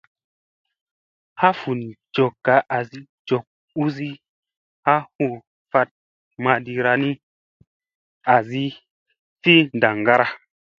Ha fun jokka azi jok uzi ha u fat maɗira naa ni, azi fi ndaŋgara.